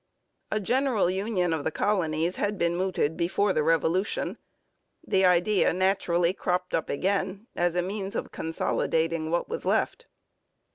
A general union of the colonies had been mooted before the Revolution. The idea naturally cropped up again as a means of consolidating what was left.